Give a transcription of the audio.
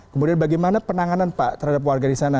kemudian bagaimana penanganan pak terhadap warga di sana